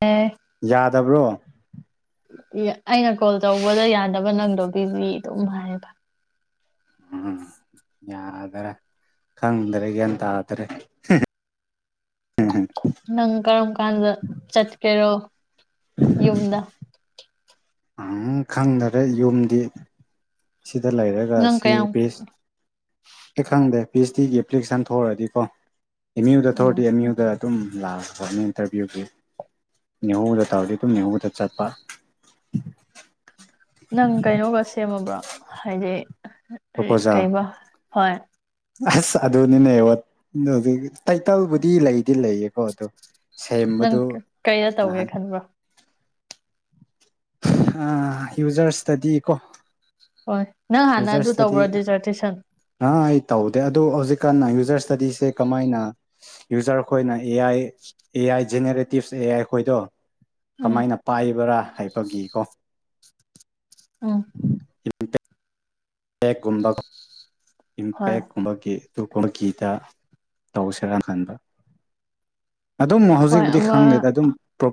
ꯑꯦ ꯌꯥꯗꯕ꯭ꯔꯣ ꯑꯩꯅ ꯀꯣꯜ ꯇꯧꯕꯗ ꯌꯥꯗꯕ ꯅꯪꯗꯣ ꯄꯤꯕꯤ ꯇꯧꯅꯨ ꯍꯥꯏꯔꯒ ꯎꯝ ꯌꯥꯗꯔꯦ ꯈꯪꯗꯔꯦ ꯒ꯭ꯌꯥꯟ ꯇꯥꯗꯔꯦ ꯅꯪ ꯀꯔꯝ ꯀꯥꯟꯗ ꯆꯠꯀꯦꯔꯣ ꯌꯨꯝꯗ ꯎꯝ ꯈꯪꯗꯔꯦ ꯌꯨꯝꯗꯤ ꯁꯤꯗ ꯂꯩꯔꯒ ꯅꯪ ꯀꯌꯥꯝ ꯁꯤꯑꯦꯄꯤꯁ ꯑꯩ ꯈꯪꯗꯦ ꯄꯤ ꯍꯩꯁ ꯗꯤ ꯒꯤ ꯑꯦꯄ꯭ꯂꯤꯀꯦꯁꯟ ꯊꯣꯛꯔꯛꯑꯗꯤ ꯀꯣ ꯑꯦꯝ ꯌꯨ ꯗ ꯊꯣꯔꯛꯑꯗꯤ ꯎꯝ ꯑꯦꯝ ꯌꯨ ꯗ ꯑꯗꯨꯝ ꯂꯥꯛꯈ꯭ꯔꯕꯅꯦ ꯏꯟꯇꯔꯚ꯭ꯨꯒꯤꯎ ꯒꯤ ꯅꯤꯎ ꯗ ꯇꯧꯔꯗꯤ ꯑꯗꯨꯝ ꯅꯤꯎ ꯗ ꯆꯠꯄ ꯅꯪ ꯀꯩꯅꯣꯒ ꯁꯦꯝꯃꯕ꯭ꯔꯣ ꯍꯥꯏꯗꯤ ꯄ꯭ꯔꯣꯄꯣꯖꯦꯜ ꯀꯩꯕ ꯍꯣꯏ ꯑꯁ ꯑꯗꯨꯅꯤꯅꯦꯕ ꯇꯥꯏꯇꯜꯕꯨꯗꯤ ꯂꯩꯗꯤ ꯂꯩꯌꯦꯀꯣ ꯑꯗꯨ ꯅꯪ ꯀꯩꯗ ꯇꯧꯒꯦ ꯈꯟꯕ꯭ꯔꯣ ꯑ ꯌꯨꯖ꯭ꯔꯁꯇꯗꯤ ꯀꯣ ꯍꯣꯏ ꯅꯪ ꯍꯥꯟꯅ ꯌꯨꯖꯔ ꯑꯗꯨ ꯏꯁꯇꯗꯤ ꯇꯧꯕ꯭ꯔꯣ ꯗꯤꯖꯔꯇꯦꯁꯟ ꯑꯥ ꯑꯩ ꯇꯧꯗꯦ ꯑꯗꯣ ꯍꯧꯖꯤꯛꯀꯥꯟꯅ ꯌꯨꯖ꯭ꯔꯁꯇꯗꯤꯁꯦ ꯀꯃꯥꯏꯅ ꯌꯨꯖꯔ ꯈꯣꯏꯅ A I A I ꯖꯦꯅꯦꯔꯦ tips A I ꯈꯣꯏꯗꯣ ꯎꯝ ꯀꯃꯥꯏꯅ ꯄꯥꯏꯕ꯭ꯔꯥ ꯍꯥꯏꯕꯒꯤꯀꯣ ꯎꯝ [inaudible] [unintelligible] ꯍꯣꯏ ꯏꯝꯄꯦꯛꯀꯨꯝꯕꯒꯤ [unintelligible] ꯀꯤꯗ ꯇꯧꯁꯔꯥ ꯈꯟꯕ꯫ ꯑꯗꯨꯝ ꯍꯣꯏ ꯍꯧꯖꯤꯛꯄꯨꯗꯤ ꯑꯃ ꯈꯪꯉꯦꯗ ꯑꯗꯨꯝ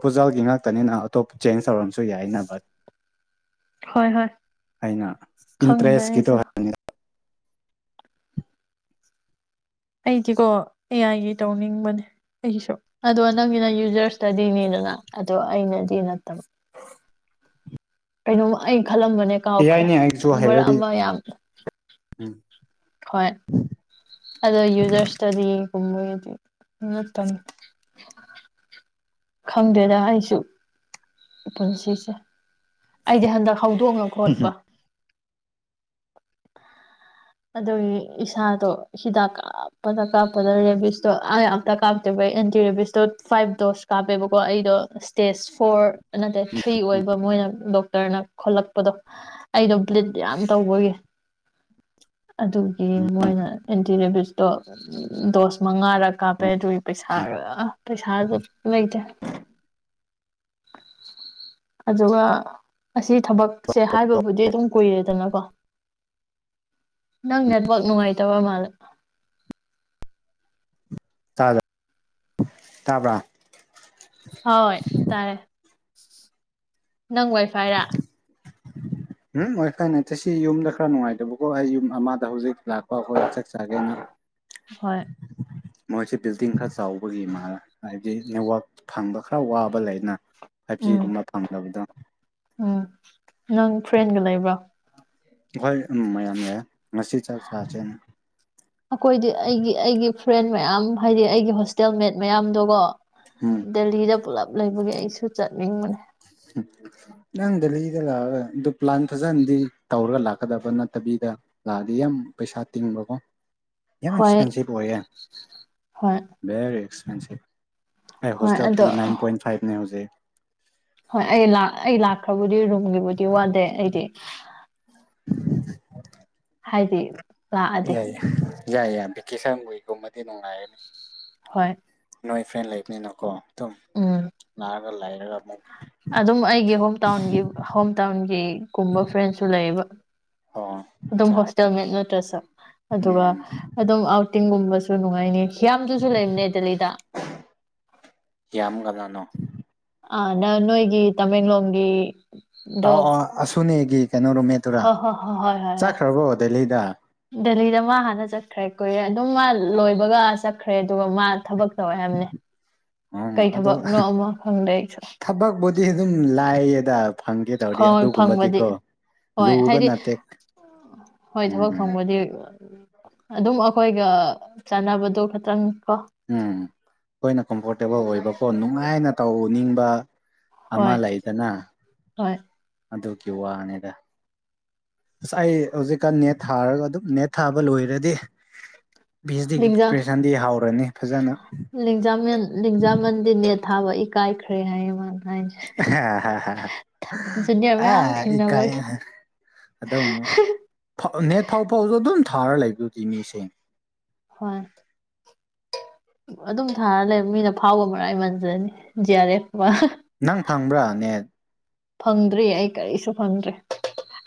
ꯐꯨꯖꯜꯒꯤ ꯉꯥꯛꯇꯅꯤꯅ ꯑꯇꯣꯞꯄ ꯆꯦꯟꯖ ꯇꯧꯔꯝꯁꯨ ꯌꯥꯏꯅ ꯕꯠ ꯍꯣꯏ ꯍꯣꯏ꯫ ꯑꯩꯅ ꯈꯪꯗ꯭ꯔꯦ ꯏꯟꯇꯔꯦꯁꯀꯤꯗꯣ ꯑꯩꯁꯨ ꯍꯪ [unintelligible] ꯑꯩꯗꯤꯀꯣ ꯑꯦꯌꯥꯥꯏꯒꯤ ꯇꯧꯅꯤꯡꯕꯅꯦ ꯑꯩꯒꯤꯁꯨ ꯑꯗꯣ ꯅꯪꯒꯤꯅ ꯌꯨꯖꯔꯁꯇꯗꯤꯅꯦꯗꯅ ꯑꯗꯣ ꯑꯩꯅꯗꯤ ꯅꯠꯇꯕ ꯀꯩꯅꯣꯝꯃ ꯑꯩ ꯈꯜꯂꯝꯕꯅꯦ ꯑꯦ ꯀꯥꯎꯈ꯭ꯔꯦ ꯑꯥꯏꯅꯦ ꯑꯩꯁꯨ ꯃꯔꯛ ꯍꯩꯔꯗꯤ ꯑꯃ ꯌꯥꯝ ꯎꯝ꯫ ꯍꯣꯏ꯫ ꯑꯗꯣ ꯌꯨꯖꯔꯁ꯭ꯇꯗꯤ ꯒꯨꯝꯕꯗꯗꯤ [unintelligible] ꯈꯪꯗꯦꯗ ꯑꯩꯁꯨ ꯄꯨꯟꯁꯤꯁꯦ꯫ ꯑꯩꯗꯤ ꯍꯟꯗꯛ ꯍꯧꯗꯣꯡꯅ ꯈꯣꯠꯄ ꯑꯗꯨꯒꯤ ꯏꯁꯥꯗꯣ ꯍꯤꯗꯥꯛ ꯀꯥꯞꯄꯗ ꯀꯥꯞꯄꯗ ꯔꯦꯕꯤꯁꯇꯣ ꯑꯩ ꯑꯝꯇ ꯀꯥꯞꯇꯔꯤꯕꯩ ꯑꯦꯟꯇꯤ ꯔꯦꯕꯤꯁꯇꯣ ꯐꯥꯏꯚ ꯗꯣꯁ ꯀꯥꯞꯄꯦꯕꯀꯣ ꯑꯩꯗꯣ ꯏꯁꯇꯦꯖ ꯐꯣꯔ ꯅꯠꯇꯦ ꯊ꯭ꯔꯤ ꯑꯣꯏꯕ ꯃꯣꯏ [unintelligible] [unintelligible] ꯈꯣꯠꯂꯛꯄꯗꯣ ꯑꯩꯗꯣ ꯕ꯭ꯂꯤꯠ ꯌꯥꯝ ꯇꯧꯕꯒꯤ ꯑꯗꯨꯒꯤ ꯃꯣꯏꯅ ꯑꯦꯟꯇꯤ ꯔꯦꯕꯤꯁꯇꯣ [unintelligible] ꯗꯣꯁ ꯃꯉꯥꯔꯛ ꯀꯥꯞꯄꯦ ꯑꯗꯨꯏ ꯄꯩꯁꯥ ꯔꯥ ꯑ ꯄꯩꯁꯥꯗꯣ ꯂꯩꯇꯦ꯫ ꯑꯗꯨꯒ ꯑꯁꯤ ꯊꯕꯛꯁꯦ ꯍꯥꯏꯕꯕꯨꯗꯤ ꯑꯗꯨꯝ ꯀꯨꯏꯔꯦꯗꯅꯀꯣ ꯅꯪ ꯅꯦꯠꯋꯥꯛ ꯅꯨꯡꯉꯥꯏꯇꯕ ꯃꯥꯂꯦ꯫ [unintelligible] ꯇꯥꯕ꯭ꯔꯥ ꯍꯣꯏ ꯇꯥꯔꯦ꯫ [unintelligible] ꯅꯪ ꯋꯥꯏꯐꯥꯏꯔꯥ꯫ ꯎꯝ ꯋꯥꯏꯐꯥꯏ ꯅꯦꯠꯇꯦ ꯁꯤ ꯌꯨꯝꯗ ꯈꯔ ꯅꯨꯡꯉꯥꯏꯇꯕꯀꯣ ꯑꯩ ꯌꯨꯝ ꯑꯃꯗ ꯍꯧꯖꯤꯛ ꯂꯥꯛꯄ ꯑꯩꯈꯣꯏ ꯆꯥꯛ ꯆꯥꯒꯦꯅ꯫ ꯍꯣꯏ ꯃꯣꯏꯁꯤ ꯕꯤꯜꯗꯤꯡ ꯈꯔ ꯆꯥꯎꯕꯒꯤ ꯃꯥꯂꯦ ꯍꯥꯏꯗꯤ ꯅꯦꯠꯋꯥꯛ ꯐꯪꯕ ꯈꯔ ꯋꯥꯕ ꯂꯩ ꯐꯥꯏꯄꯖꯤ ꯎꯝ ꯒꯨꯝꯕ ꯐꯪꯗꯕꯗꯣ꯫ ꯎꯝ ꯅꯪ ꯐ꯭ꯔꯦꯟꯒ ꯂꯩꯕ꯭ꯔꯣ꯫ ꯍꯣꯏ ꯃꯌꯥꯝ ꯂꯩꯌꯦ ꯉꯁꯤ ꯆꯥꯛ ꯆꯥꯁꯦꯅ ꯑꯩꯈꯣꯏꯗꯤ ꯑꯩꯒꯤ ꯑꯩꯒꯤ ꯐ꯭ꯔꯦꯟ ꯃꯌꯥꯝ ꯍꯥꯏꯗꯤ ꯑꯩꯒꯤ ꯍꯣꯁꯇꯦꯜ ꯃꯦꯠ ꯃꯌꯥꯝꯗꯨꯒ ꯎꯝ ꯗꯦꯜꯂꯤꯗ ꯄꯨꯂꯞ ꯂꯩꯕꯒꯤ ꯑꯩꯁꯨ ꯆꯠꯅꯤꯡꯕꯅꯦ ꯅꯪ ꯗꯦꯜꯂꯤꯗ ꯂꯥꯛꯑꯒ ꯑꯗꯨ ꯄ꯭ꯂꯥꯟ ꯐꯖꯅꯗꯤ ꯇꯧꯔꯒ ꯂꯥꯛꯀꯗꯕ ꯅꯠꯇꯕꯤꯗ ꯂꯥꯛꯑꯗꯤ ꯌꯥꯝ ꯄꯩꯁꯥ ꯇꯤꯡꯕꯀꯣ ꯌꯥꯝ ꯍꯣꯏ ꯑꯦꯛꯁꯄꯦꯟꯁꯤꯚ ꯑꯣꯏꯌꯦ ꯍꯣꯏ ꯚꯦꯔꯤ ꯑꯦꯛꯁ ꯅꯪꯁꯦ ꯑꯩ ꯍꯣꯏ ꯍꯣꯁꯇꯦꯜ ꯐꯤ ꯑꯗꯣ ꯅꯥꯏꯟ ꯄꯣꯏꯟ ꯐꯥꯏꯚꯅꯦ ꯍꯧꯖꯤꯛ ꯍꯣꯏ ꯑꯩ ꯑꯩ ꯂꯥꯛꯈ꯭ꯔꯕꯨꯗꯤ ꯔꯨꯝꯒꯤꯕꯨꯗꯤ ꯋꯥꯗꯦ ꯑꯩꯗꯤ [inaudible] ꯍꯥꯏꯗꯤ ꯂꯥꯛꯑꯗꯤ ꯌꯥꯏ ꯌꯥꯏꯌꯦ ꯌꯥꯏ ꯀꯤꯁꯪꯒꯣꯏꯒꯨꯝꯃꯗꯤ ꯅꯨꯡꯉꯥꯏꯔꯦ ꯍꯣꯏ ꯅꯣꯏ ꯐ꯭ꯔꯦꯟ ꯂꯩꯕꯅꯤꯅꯀꯣ ꯑꯗꯨꯝ ꯎꯝ ꯂꯥꯛꯔꯒ ꯂꯩꯔꯒ ꯑꯃꯨꯛ ꯑꯗꯨꯝ ꯑꯩꯒꯤ ꯍꯣꯝ ꯇꯥꯎꯟꯒꯤ ꯍꯣꯝ ꯇꯥꯎꯟꯒꯤꯒꯨꯝꯕ ꯐ꯭ꯔꯦꯟꯁꯨ ꯂꯩꯕ ꯑꯣ ꯑꯗꯨꯝ ꯑꯠꯆꯥ ꯑꯠꯆꯥ ꯍꯣꯁꯇꯦꯜ ꯃꯦꯠ ꯅꯠꯇ꯭ꯔꯁꯨ ꯑꯗꯨꯒ ꯎꯝ ꯑꯗꯨꯝ ꯇꯤꯡꯒꯨꯝꯕꯁꯨ ꯅꯨꯡꯉꯥꯏꯅꯤ ꯀꯌꯥꯝ ꯇꯨꯁꯨ ꯂꯩꯅꯦ ꯗꯦꯜꯂꯤꯇꯥ ꯌꯥꯝ ꯀꯅꯥꯅꯣ ꯑ ꯅꯅꯣ ꯑꯩꯒꯤ ꯇꯃꯦꯡꯂꯣꯡꯒꯤ ꯗꯣ ꯑꯥꯎ ꯑ [inaudible] ꯀꯩꯅꯣ ꯔꯨꯝ ꯃꯦꯠꯇꯨꯔ ꯍꯣꯏ ꯍꯣꯏ ꯍꯣꯏ ꯍꯣꯏ ꯍꯣꯏ ꯍꯣꯏ ꯆꯠꯈ꯭ꯔꯕꯣ ꯗꯦꯜꯂꯤꯗ ꯗꯦꯜꯂꯤꯗ ꯃꯥ ꯍꯥꯟꯅ ꯆꯠꯈ꯭ꯔꯦ ꯀꯨꯏꯔꯦ ꯑꯗꯨꯝ ꯃꯥ ꯂꯣꯏꯕꯒ ꯆꯠꯈ꯭ꯔꯦ ꯑꯗꯨꯒ ꯃꯥ ꯊꯕꯛ ꯇꯧꯋꯦ ꯍꯥꯏꯕꯅꯦ ꯑꯣ ꯑꯣ ꯀꯩ ꯑꯗꯨ ꯊꯕꯛꯅꯣ ꯑꯃ ꯈꯪꯗꯦ ꯑꯩꯁꯨ ꯊꯕꯛꯄꯨꯗꯤ ꯑꯗꯨꯝ ꯂꯥꯏꯌꯦꯗ ꯐꯪꯒꯦ ꯇꯧꯔꯗꯤ ꯍꯣꯏ ꯐꯪꯕꯗꯤ ꯑꯗꯨꯒꯨꯝꯕꯗꯤꯀꯣ ꯍꯣꯏ ꯂꯨꯕ ꯍꯥꯏꯗꯤ ꯅꯠꯇꯦ ꯍꯣꯏ ꯎꯝ ꯊꯕꯛ ꯎꯝ ꯐꯪꯕꯗꯤ ꯑꯗꯨꯝ ꯑꯩꯈꯣꯏꯒ ꯆꯥꯟꯅꯕꯗꯣ ꯈꯇꯪ ꯀꯣ ꯎꯝ ꯑꯩꯈꯣꯏꯅ ꯀꯝꯐꯣꯔꯇꯦꯕꯜ ꯑꯣꯏꯕꯀꯣ ꯅꯨꯡꯉꯥꯏꯅ ꯇꯧꯅꯤꯡꯕ ꯑꯃ ꯍꯣꯏ ꯂꯩꯗꯅ ꯍꯣꯏ ꯑꯗꯨꯒꯤ ꯋꯥꯅꯤꯗ ꯑꯁ ꯑꯩ ꯍꯧꯖꯤꯛꯀꯥꯟ ꯅꯦꯠ ꯊꯥꯔꯒ ꯑꯗꯨꯝ ꯅꯦꯠ ꯊꯥꯕ ꯂꯣꯏꯔꯗꯤ ꯄꯤ ꯑꯩꯆ ꯗꯤꯒꯤ ꯂꯖꯥ ꯄ꯭ꯔꯤꯄꯦꯔꯦꯁꯟꯗꯤ ꯍꯧꯔꯅꯤ ꯐꯖꯅ ꯂꯖ ꯃꯟ ꯂꯖ ꯃꯟꯗꯤꯅꯦꯠ ꯊꯥꯕ ꯏꯀꯥꯏꯈ꯭ꯔꯦ ꯍꯥꯏꯌꯦ ꯃꯥ ꯖꯨꯅꯤꯌꯔ ꯃꯌꯥꯝ ꯑꯦ ꯏꯀꯥꯏ ꯊꯦꯡꯅꯕꯒꯤ ꯑꯗꯨꯝ ꯅꯦꯠ ꯐꯥꯎ ꯐꯥꯎ ꯑꯗꯨꯝ ꯊꯥꯔ ꯂꯩꯕꯒꯤ ꯃꯤꯁꯤꯡ ꯍꯣꯏ ꯑꯗꯨꯝ ꯊꯥꯔ ꯂꯩ ꯃꯤꯅ ꯐꯥꯎꯕ ꯃꯔꯥꯏꯃꯟꯖꯅꯤ [unintelligible] ꯅꯪ ꯐꯪꯕ꯭ꯔꯥ ꯅꯦꯠ ꯐꯪꯗ꯭ꯔꯤ ꯑꯩ ꯀꯔꯤꯁꯨ ꯐꯪꯗ꯭ꯔꯦ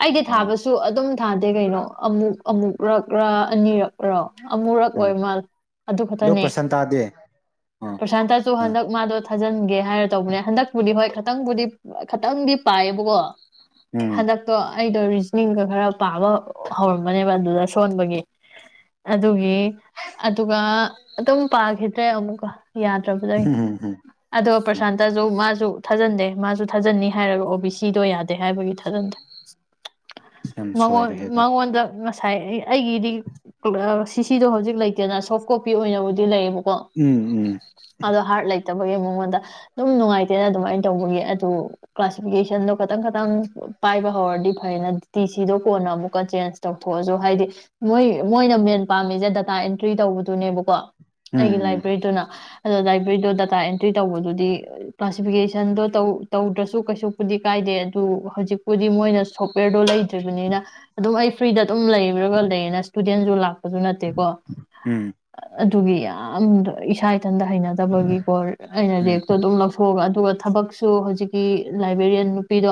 ꯑꯩꯗꯤ ꯑꯣ ꯊꯥꯕꯁꯨ ꯑꯗꯨꯝ ꯊꯥꯗꯦ ꯀꯩꯅꯣ ꯑꯃꯨꯛ ꯑꯃꯨꯛꯔꯛꯔ ꯑꯅꯤꯔꯛꯔꯣ ꯑꯃꯨꯔꯛ ꯎꯝ ꯑꯣꯏꯃꯜ ꯑꯗꯨ ꯑꯗꯣ ꯈꯛꯇꯅꯤ ꯄ꯭ꯔꯁꯟ ꯇꯥꯗꯦ ꯑꯥ ꯄ꯭ꯔꯁꯥꯟꯇꯁꯨ ꯑꯥ ꯍꯟꯗꯛ ꯃꯥꯗꯣ ꯊꯥꯖꯤꯟꯒꯦ ꯍꯥꯏꯔ ꯇꯧꯕꯅꯦ ꯍꯟꯗꯛꯄꯨꯗꯤ ꯍꯣꯏ ꯈꯤꯇꯪꯕꯨꯗꯤ ꯈꯇꯪꯗꯤ ꯄꯥꯏꯌꯦꯕꯀꯣ ꯎꯝ ꯍꯟꯗꯛꯇꯣ ꯑꯩꯗꯣ ꯔꯤꯖꯅꯤꯡꯒ ꯈꯔ ꯄꯥꯕ ꯍꯧꯔꯝꯕꯅꯦꯕ ꯑꯗꯨꯗ ꯁꯣꯟꯕꯒꯤ ꯑꯗꯨꯒꯤ ꯑꯗꯨꯒ ꯑꯗꯨꯝ ꯄꯥꯈꯤꯗ꯭ꯔꯦ ꯑꯃꯨꯛꯀ ꯌꯥꯗ꯭ꯔꯕꯗꯒꯤ ꯎꯝ ꯎꯝ ꯑꯗꯣ ꯄ꯭ꯔꯁꯥꯟꯇꯁꯨ ꯃꯥꯁꯨ ꯊꯖꯟꯗꯦ ꯃꯥꯁꯨ ꯊꯥꯖꯟꯅꯤ ꯍꯥꯏꯔꯒ ꯑꯣ ꯕꯤ ꯁꯤꯗꯣ ꯌꯥꯗꯦ ꯍꯥꯏꯕꯒꯤ ꯊꯥꯖꯟꯗꯦ ꯌꯥꯝ ꯃꯉꯣꯟ ꯁꯣꯏꯔꯦꯍꯦ ꯑꯗꯨꯗꯤ ꯃꯉꯣꯟꯗ [unintelligible] ꯑꯩꯒꯤꯗꯤ [unintelligible] ꯁꯤꯗꯣ ꯍꯧꯖꯤꯛ ꯂꯩꯇꯦꯅ ꯁꯣꯐ ꯀꯣꯄꯤ ꯑꯣꯏꯅꯕꯨꯗꯤ ꯂꯩꯌꯦ ꯀꯣ ꯎꯝ ꯎꯝ ꯑꯗꯣ ꯍꯥꯠ ꯂꯩ ꯂꯩꯇꯕꯒꯤ ꯃꯉꯣꯟꯗ ꯑꯗꯨꯝ ꯅꯨꯡꯉꯥꯏꯇꯦꯅ ꯑꯗꯨꯃꯥꯏꯅ ꯇꯧꯕꯒꯤ ꯑꯗꯨ ꯀ꯭ꯂꯥꯁꯤꯐꯤꯀꯦꯁꯟꯗꯣ ꯈꯇꯪ ꯈꯇꯪ ꯄꯥꯏꯕ ꯍꯧꯔꯗꯤ ꯐꯩꯅ ꯇꯤ ꯁꯤꯗꯣ ꯀꯣꯟꯅ ꯑꯃꯨꯛꯀ ꯆꯦꯟꯖ ꯇꯧꯊꯣꯛꯑꯁꯨ ꯍꯥꯏꯗꯤ ꯃꯣꯏ ꯃꯣꯏꯅ ꯃꯦꯟ ꯄꯥꯝꯃꯤꯁꯦ ꯗꯇꯥ ꯑꯦꯟꯇ꯭ꯔꯤ ꯇꯧꯕꯗꯨꯅꯦꯕꯀꯣ ꯑꯩꯒꯤ ꯎꯝ ꯎꯝ ꯂꯥꯏꯕ꯭ꯔꯦꯗꯨꯅ ꯑꯗꯣ ꯂꯥꯏꯕ꯭ꯔꯦꯔꯤꯗꯣ ꯗꯥꯇꯥ ꯑꯦꯟꯇ꯭ꯔꯤ ꯇꯧꯕꯗꯨꯗꯤ ꯀ꯭ꯂꯥꯁꯤꯐꯤꯀꯦꯁꯟꯗꯣ ꯇꯧ ꯇꯧꯗ꯭ꯔꯁꯨ ꯀꯩꯁꯨꯄꯨꯗꯤ ꯀꯥꯏꯗꯦ ꯑꯗꯨ ꯍꯧꯖꯤꯛꯄꯨꯗꯤ ꯃꯣꯏꯅ ꯁꯣꯐꯋꯦꯔꯗꯣ ꯂꯩꯇ꯭ꯔꯤꯕꯅꯤꯅ ꯑꯗꯨꯝ ꯑꯩ ꯐ꯭ꯔꯤꯗ ꯑꯗꯨꯝ ꯂꯩꯕ꯭ꯔꯒ ꯂꯩꯌꯦꯅ [unintelligible] ꯅꯠꯇꯦꯀꯣ [unintelligible] ꯎꯝ [unintelligible] ꯏꯊꯟꯗ ꯍꯩꯅꯗꯕꯒꯤꯀꯣ ꯑꯩꯅ ꯎꯝ ꯔꯦꯛꯇꯣ ꯑꯗꯨꯝ ꯂꯧꯊꯣꯛꯑꯒ ꯑꯗꯨꯒ ꯊꯕꯛꯁꯨ ꯍꯧꯖꯤꯛ ꯒꯤ ꯂꯥꯏꯕ꯭ꯔꯦꯔꯤꯌꯥꯟ ꯅꯨꯄꯤꯗꯣ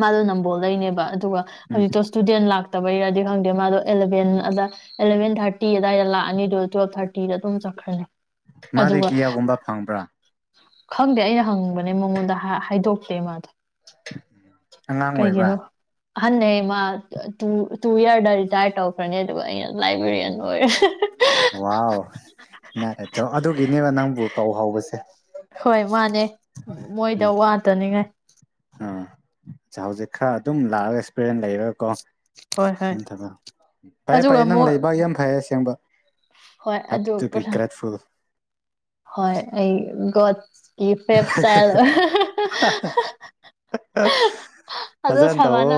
ꯃꯥꯗꯣ ꯅꯝꯕꯣꯜ ꯗꯩꯩꯅꯦꯕ ꯑꯗꯨꯒ ꯎꯝ ꯍꯧꯖꯤꯛꯇꯣ ꯏꯁꯇꯨꯗꯦꯟ ꯂꯥꯛ ꯇꯕꯩꯔꯗꯤ ꯈꯪꯗꯦ ꯃꯥꯗꯣ ꯑꯦꯂꯚꯦꯟ ꯑꯗ ꯑꯦꯂꯚꯦꯟ ꯊꯥꯔꯇꯤ ꯑꯗꯨꯋꯥꯏꯗ ꯂꯥꯛꯑꯅꯤꯗꯨ ꯇꯨꯋꯦꯜ ꯊꯥꯔꯇꯤꯗ ꯑꯗꯨꯝ ꯆꯠꯈ꯭ꯔꯅꯤ ꯃꯥꯗꯤ ꯑꯗꯨꯒ ꯀꯤꯌꯥꯒꯨꯝꯕ ꯐꯪꯕ꯭ꯔꯥ ꯈꯪꯗꯦ ꯑꯩꯅ ꯍꯪꯕꯅꯦ ꯃꯉꯣꯟꯗ ꯍꯥꯏꯗꯣꯛꯈꯦ ꯃꯥꯗ ꯑꯉꯥꯡ ꯑꯣꯏꯕ꯭ꯔꯥ ꯑꯍꯟꯅꯩ ꯃꯥ ꯇꯨ ꯏꯌꯥꯔꯗ ꯔꯤꯇꯥꯌꯔ ꯇꯧꯈ꯭ꯔꯅꯤ ꯑꯗꯨꯒ ꯑꯩꯅ ꯂꯥꯏꯕ꯭ꯔꯦꯔꯤꯌꯟ ꯑꯣꯏꯔꯦ ꯋꯥ ꯑꯗꯨꯒꯤꯅꯦꯕ ꯅꯪꯕꯨ ꯀꯧ ꯍꯧꯕꯁꯦ ꯍꯣꯏ ꯃꯥꯅꯦ ꯃꯣꯏꯗ ꯋꯥꯇꯅꯤꯉꯥꯏ ꯑꯥ ꯑ ꯍꯧꯖꯤꯛ ꯈꯔ ꯑꯗꯨꯝ ꯂꯥꯛꯑꯒ ꯑꯦꯛꯁꯄꯤꯔꯤꯟꯁ ꯂꯩꯔꯒꯀꯣ ꯍꯣꯏ ꯍꯣꯏ ꯌꯥꯝ ꯊ ꯐꯌꯦ ꯑꯗꯨꯒ ꯐꯩꯌꯦ ꯅꯪ ꯑꯃꯨꯛ ꯂꯩꯕ ꯌꯥꯝ ꯐꯩꯌꯦ ꯑꯁꯦꯡꯕ ꯍꯣꯏ ꯍꯦꯞ ꯑꯗꯨ ꯇꯨ ꯄꯨ ꯕꯤ ꯒ꯭ꯔꯦꯠꯐꯨꯜ ꯍꯣꯏ ꯑꯩ ꯒꯣꯠ [inaudible] ꯑꯗꯣ ꯐꯖꯅ ꯇꯧꯋꯣ ꯁꯕꯥꯅ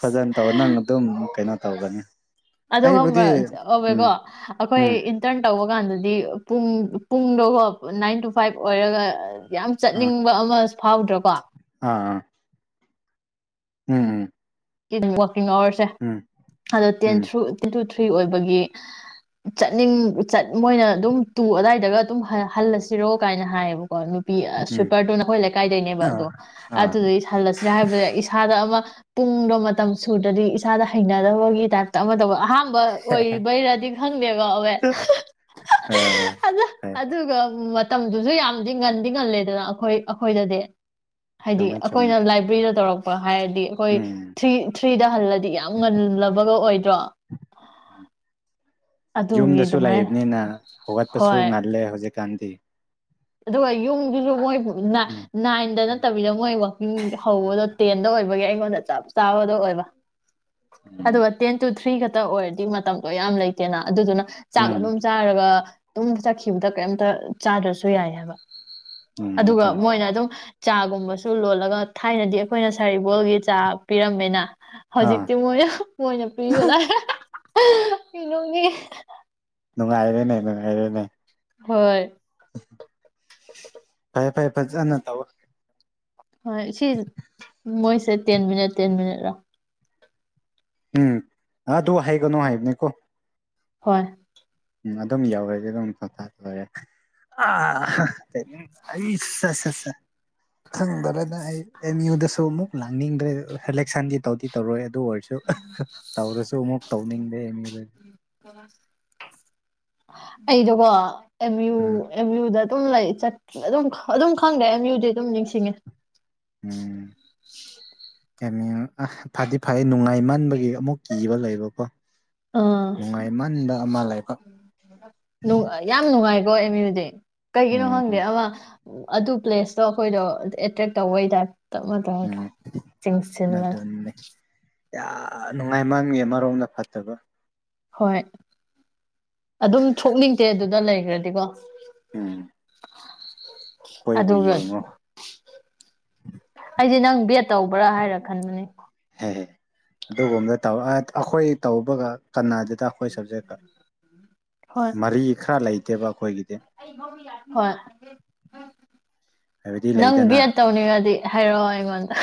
ꯐꯖꯅ ꯇꯧ ꯅꯪ ꯑꯗꯨꯝ ꯀꯩꯅꯣ ꯇꯧꯒꯅꯤ ꯑꯗꯨꯒꯕ ꯑꯩꯕꯨꯗꯤ ꯎꯝ ꯑꯣꯀꯣ ꯑꯩꯈꯣꯏ ꯎꯝ ꯏꯟꯇꯔꯟ ꯇꯧꯕ ꯀꯥꯟꯗꯗꯤ ꯄꯨꯡ ꯄꯨꯡꯗꯣꯀꯣ ꯅꯥꯏꯟ ꯇꯨ ꯐꯥꯏꯚ ꯑꯣꯏꯔꯒ ꯌꯥꯝ ꯑꯥ ꯆꯠꯅꯤꯡꯕ ꯑꯃ ꯐꯥꯎꯗ꯭ꯔꯣꯀꯣ ꯑꯥ ꯎꯝꯝ [inaudible] ꯍ ꯑꯋꯥꯔꯁꯦ ꯑꯗꯣ ten um through ten to free ꯑꯣꯏꯕꯒꯤ ꯆꯠꯅꯤꯡꯠ ꯃꯣꯏꯅ ꯑꯗꯨꯝ ꯇꯨ ꯑꯗꯥꯏꯗꯒ ꯑꯗꯨꯝ ꯍꯜꯂꯁꯤꯔꯣ ꯀꯥꯏꯅ ꯍꯥꯏꯌꯦꯕꯀꯣ ꯎꯝ ꯁꯨꯄꯔ ꯇꯨ ꯅꯈꯣꯏ ꯂꯩꯀꯥꯏꯗꯩꯅꯦꯕ ꯑꯗꯣ ꯑꯥ ꯑꯥ ꯑꯗꯨꯗꯒꯤ ꯁꯜꯂꯁꯤꯔ ꯍꯥꯏꯕꯗ ꯏꯁꯥꯗ ꯑꯃ ꯄꯨꯡꯗꯣ ꯃꯇꯝ ꯁꯨꯔꯗꯗꯤ ꯏꯁꯥꯗ ꯍꯩꯅꯗꯕꯒꯤ ꯇꯥꯏꯞꯇ ꯑꯃ ꯇꯧꯕ ꯑꯍꯥꯟꯕ ꯑ ꯑꯣꯏꯕꯩꯔꯗꯤ ꯈꯪꯗꯦꯀꯣ ꯍꯋꯦ ꯑ ꯐꯩ ꯐꯩ ꯑꯗꯨꯒ ꯃꯇꯝꯗꯨꯁꯨ ꯌꯥꯝꯗꯤ ꯉꯟꯗꯤ ꯉꯜꯂꯦꯗꯅ ꯑꯩꯈꯣꯏ ꯑꯩꯈꯣꯏꯗꯗꯤ ꯍꯥꯏꯗꯤ ꯆꯨꯝꯃꯦ ꯆꯨꯝꯃꯦ ꯑꯩꯈꯣꯏꯅ ꯂꯥꯏꯕ꯭ꯔꯦꯔꯤꯗ ꯇꯧꯔꯛꯄ ꯍꯥꯏꯔꯗꯤ ꯑꯩꯈꯣꯏ ꯎꯝ ꯊ꯭ꯔꯤ ꯊ꯭ꯔꯤꯗ ꯍꯜꯂꯗꯤ ꯌꯥꯝ ꯉꯜꯂꯕꯒ ꯑꯣꯏꯗ꯭ꯔꯣ ꯑꯗꯨꯒꯤ ꯌꯨꯝꯗꯁꯨ ꯑꯗꯨꯃꯥꯏꯅ ꯂꯩꯕꯅꯤꯅ ꯍꯧꯒꯠꯄꯁꯨ ꯍꯣꯏ ꯉꯜꯂꯦ ꯍꯧꯖꯤꯛ ꯀꯥꯟꯗꯤ ꯑꯗꯨꯒ ꯌꯨꯝꯒꯤ ꯁꯨ ꯃꯣꯏ ꯎꯝ ꯅꯥꯏꯟꯗ ꯎꯝ ꯅꯠꯇꯕꯤꯗ ꯃꯣꯏ ꯋꯥꯛꯀꯤꯡ ꯍꯧꯕꯗꯣ ꯇꯦꯟꯗ ꯑꯣꯏꯕꯒꯤ ꯑꯩꯉꯣꯟꯗ ꯆꯥꯞ ꯆꯥꯕꯗꯣ ꯑꯣꯏꯕ ꯑꯗꯨꯗ ꯇꯦꯟ ꯇꯨ ꯊ꯭ꯔꯤꯒ ꯇ ꯑꯣꯏꯔꯗꯤ ꯃꯇꯝꯗꯣ ꯌꯥꯝ ꯂꯩꯇꯦꯗꯅ ꯑꯗꯨꯗꯨꯅ ꯆꯥꯒ ꯎꯝ ꯑꯗꯨꯝ ꯆꯥꯔꯒ ꯇꯨꯝꯗ ꯆꯠꯈꯤꯕꯗ ꯀꯩꯝꯇ ꯆꯥꯗ꯭ꯔꯁꯨ ꯑꯗꯨ ꯌꯥꯏ ꯍꯥꯏꯕ ꯎꯝ ꯑꯗꯨꯒ ꯑꯗꯨꯅꯤ ꯃꯣꯏꯅ ꯑꯗꯨꯝ ꯆꯥ ꯨꯝꯕꯁꯨ ꯂꯣꯜꯂꯒ ꯊꯥꯏꯅꯗꯤ ꯑꯩꯈꯣꯏꯅ ꯁꯔꯤꯕꯔꯤꯕꯣꯜꯒꯤ ꯆꯥ ꯄꯤꯔꯝꯃꯦꯅ ꯑꯥ ꯍꯧꯖꯤꯛꯇ ꯃꯣꯏ ꯃꯣꯏꯅ ꯄꯤꯕꯂꯛꯑꯥ [unintelligible] ꯑꯩ ꯅꯣꯛꯅꯤꯉꯦ ꯅꯨꯡꯉꯥꯏꯔꯦꯅꯦ ꯅꯨꯡꯉꯥꯏꯔꯦꯅꯦ ꯍꯣꯏ ꯐꯥꯏ ꯐꯥꯏ ꯐꯖꯥ ꯅ ꯇꯧ ꯍꯣꯏ ꯁꯤ ꯃꯣꯏꯁꯦ ꯇꯦꯟ ꯃꯤꯅꯠ ꯇꯦꯟ ꯃꯤꯅꯠꯔꯥ ꯎꯝ ꯑꯗꯨ ꯍꯥꯏꯒꯅꯨ ꯍꯥꯏꯕꯅꯦꯀꯣ ꯍꯣꯏ ꯎꯝ ꯑꯗꯨꯝ ꯌꯧꯔꯗꯤ ꯑꯗꯨꯝ ꯄꯊꯥꯈꯔ [unintelligible] ꯑꯩ ꯆꯁ [unintelligible] [inaudible] ꯈꯪꯕꯔꯦꯅ ꯑꯩ ꯑꯦꯝ ꯌꯨꯗꯁꯨ ꯑꯃꯨꯛ ꯂꯥꯡꯅꯤꯡꯗ꯭ꯔꯦ ꯁꯦꯂꯦꯛꯁꯟꯗꯤ ꯇꯧꯗꯤ ꯇꯧꯔꯣꯏ ꯑꯗꯨ ꯑꯣꯏꯔ ꯇꯧꯔꯁꯨ ꯑꯃꯨꯛ ꯇꯧꯅꯤꯡꯕꯔꯥ [unintelligible] ꯑꯩꯗꯣꯀꯣ ꯑꯝꯌꯨ ꯎꯝ ꯑꯝꯌꯨꯗ ꯑꯗꯨꯝ ꯂꯩꯠ ꯑꯗꯨꯝ ꯑꯗꯨꯝ ꯈꯪꯗꯦ ꯑꯝ ꯌꯨꯗꯤ ꯑꯗꯨꯝ ꯅꯤꯡꯁꯤꯡꯉꯦ ꯎꯝ [unintelligible] ꯐꯗꯤ ꯐꯩꯦ ꯅꯨꯡꯉꯥꯏꯃꯟꯕꯒꯤ ꯑꯃꯨꯛ ꯀꯤꯕ ꯂꯩꯕꯀꯣ ꯑ ꯅꯨꯡꯉꯥꯏꯃꯟꯕ ꯑꯃ ꯂꯩꯕ ꯅꯨ ꯌꯥꯝ ꯅꯨꯡꯉꯥꯏꯔ [unintelligible] ꯑꯃꯌꯨꯗꯤ ꯀꯩꯒꯤꯅꯣ ꯎꯝ ꯈꯪꯗꯦ ꯎꯝ ꯑꯃ ꯑꯗꯨ ꯄ꯭ꯂꯦꯁꯇꯣ ꯑꯩꯈꯣꯏꯗꯣ ꯑꯦꯇ꯭ꯔꯦꯛ ꯇꯧꯕꯩꯇꯥ ꯇꯨꯄ ꯇꯞꯅ ꯇꯥꯗꯔꯣ ꯎꯝ ꯆꯤꯡꯁꯤꯜꯂꯒ ꯑꯗꯨꯅꯤ ꯌꯥꯝ ꯅꯨꯡꯉꯥꯏ ꯃꯥꯡꯉ ꯃꯔꯣꯝꯗ ꯐꯠꯇꯕ ꯍꯣꯏ ꯑꯗꯨꯝ ꯊꯣꯛꯅꯤꯡꯗꯦ ꯑꯗꯨꯗ ꯂꯩꯈ꯭ꯔꯗꯤꯀꯣ ꯎꯝ ꯑꯩꯈꯣꯏꯕꯨ ꯑꯗꯨꯒ ꯌꯦꯡꯉꯣ ꯑꯩꯗꯤ ꯅꯪ ꯕꯦꯠ ꯇꯧꯕ꯭ꯔꯥ ꯍꯥꯏꯔ ꯈꯟꯕꯅꯦ ꯍ ꯍ ꯑꯗꯨꯒꯨꯝꯕꯗ ꯇꯧ ꯑꯩꯈꯣꯏ ꯇꯧꯕꯒ ꯀꯅꯥꯗꯨꯗ ꯑꯩꯈꯣꯏ ꯁꯕꯖꯦꯛꯇ ꯍꯣꯏ ꯃꯔꯤ ꯈꯔ ꯂꯩ ꯀꯦꯕ ꯑꯈꯣꯏꯒꯤ [unintelligible] ꯍꯣꯏ ꯍꯥꯏꯕꯗꯤ ꯅꯪ ꯂꯩꯗꯅ ꯕꯦꯠ ꯇꯧꯅꯤꯡꯉꯗꯤ ꯍꯥꯏꯔꯛꯑꯣ ꯑꯩꯉꯣꯟꯗ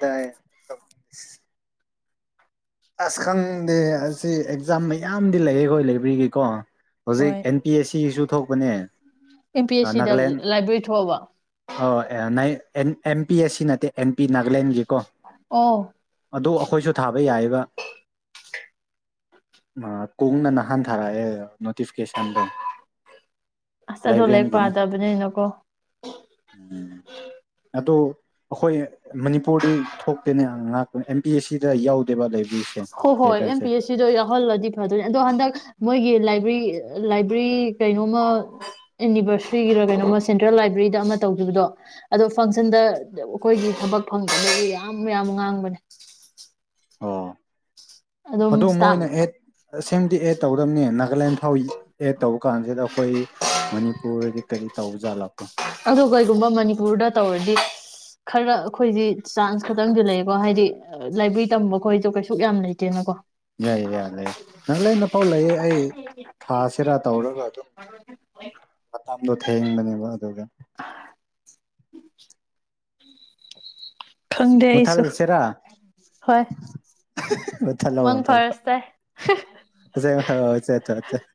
ꯇ ꯑꯥꯁ ꯈꯪꯗꯦ ꯑꯁꯤ ꯑꯦꯛꯖꯥꯝ ꯌꯥꯝꯗꯤ ꯂꯩꯌꯦ ꯑꯩꯈꯣꯏ ꯂꯥꯏꯕ꯭ꯔꯦꯔꯤꯒꯤꯀꯣ ꯍꯧꯖꯤꯛ ꯍꯣꯏ ꯑꯦꯟ ꯄꯤ ꯑꯦꯁ ꯁꯤꯁꯨ ꯊꯣꯛꯄꯅꯦ ꯑꯦꯝ ꯄꯤ ꯑꯦꯁ ꯁꯤꯗ ꯅꯥꯒꯥꯂꯦꯟ ꯂꯥꯏꯕ꯭ꯔꯦꯔꯤ ꯊꯣꯛꯑꯕ ꯑꯣ [unintelligible] A M P S C ꯅꯠꯇꯦ ꯑꯦꯟ ꯄꯤ ꯅꯥꯒꯥꯂꯦꯟꯒꯤ ꯀꯣ ꯑꯣ ꯑꯗꯨ ꯑꯩꯈꯣꯏꯁꯨ ꯊꯥꯕ ꯌꯥꯏꯌꯦꯕ ꯃꯥ ꯀꯣꯡꯅ ꯅꯍꯟꯊꯥꯔꯛꯑꯦ ꯅꯣꯇꯤꯐꯤꯀꯦꯁꯟꯗꯣ ꯑꯁ ꯑꯗꯣ ꯂꯥꯏꯔꯤꯛ ꯂꯥꯏꯕ꯭ꯔꯦꯟꯒꯤꯅꯤ ꯄꯥꯗꯕꯅꯤꯅꯀꯣ ꯎꯝ ꯑꯗꯣ ꯑꯈꯣꯏ ꯃꯅꯤꯄꯨꯔꯗꯤ ꯊꯣꯛꯇꯦꯅꯦ ꯉꯥꯛꯄꯅꯦ ꯑꯦꯝ ꯕꯤ ꯑꯦꯁ ꯁꯤꯗ ꯌꯥꯎꯗꯦꯕ ꯂꯩꯕ ꯍꯣꯏ ꯍꯣꯏ ꯑꯦꯝ ꯄꯤ ꯑꯦꯁ ꯁꯤꯗꯣ ꯌꯥꯎꯍꯜꯂꯗꯤ ꯐꯗꯣꯏꯅꯤ ꯑꯗꯣ ꯍꯟꯗꯛ ꯃꯣꯏꯒꯤ ꯂꯥꯏꯛ ꯔꯤ ꯂꯥꯏꯕ꯭ꯔꯦꯔꯤ ꯀꯩꯅꯣꯃ ꯏꯅꯤꯚꯔꯁꯤꯇꯔꯤꯒꯤꯔ ꯀꯩꯅꯣꯝꯃ ꯁꯦꯟꯇ꯭ꯔꯦꯜ ꯂꯥꯏꯕ꯭ꯔꯦꯔꯤꯗ ꯑꯃ ꯇꯧꯈꯤꯕꯗꯣ ꯑꯗꯣ ꯐꯪꯁꯟꯗ ꯑꯩꯈꯣꯏꯒꯤ ꯊꯕꯛ ꯐꯪꯕꯗ ꯌꯥꯝ ꯌꯥꯝ ꯉꯥꯡꯕꯅꯦ ꯑꯣ ꯑꯗꯨꯝ ꯑꯗꯣ ꯏꯁꯇꯥꯞ ꯃꯣꯏꯅ ꯃꯌꯥꯝ ꯑꯦꯠ ꯁꯦꯝꯗꯤ ꯑꯦꯠ ꯇꯧꯗꯕꯅꯦ ꯅꯥꯒꯥꯂꯦꯟ ꯐꯥꯎ ꯑꯦꯗ ꯇꯧꯕ ꯀꯥꯟꯁꯤꯗ ꯑꯩꯈꯣꯏ ꯃꯅꯤꯄꯨꯔꯗꯤ ꯀꯔꯤ ꯇꯧ ꯖꯥꯠꯂꯛꯄꯣ ꯑꯗꯣ ꯀꯩꯒꯨꯝꯕ ꯃꯅꯤꯄꯨꯔꯗ ꯇꯧꯔꯗꯤ ꯈꯔ ꯑꯩꯈꯣꯏꯗꯤ ꯆꯥꯟꯁ ꯈꯇꯪꯗꯤ ꯂꯩꯀꯣ ꯍꯥꯏꯗꯤ ꯂꯥꯏꯕ꯭ꯔꯦꯔꯤ ꯇꯝꯕ ꯈꯣꯁꯨ ꯀꯩꯁꯨ ꯌꯥꯝ ꯂꯩꯇꯦꯅꯀꯣ ꯌꯥꯏ ꯌꯥꯏ ꯂꯩ ꯅꯥꯒꯥꯂꯦꯟꯗꯐꯥꯎ ꯂꯩꯌꯦ ꯑꯩ ꯊꯥꯁꯤꯔꯥ ꯇꯧꯔꯒ ꯑꯗꯨꯝ [unintelligible] [unintelligible] ꯊꯦꯡꯕꯅꯦꯕ ꯑꯗꯨꯒ [unintelligible] ꯑꯩꯁꯨ [unintelligible] ꯁꯤꯔ ꯍꯣꯏ ꯃꯪ ꯐꯔꯁ ꯇꯥꯏ [unintelligible]